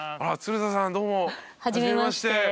鶴田さんどうも初めまして。